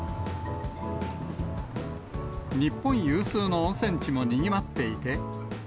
日本有数の温泉地もにぎわっていて。